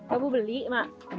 kamu beli emak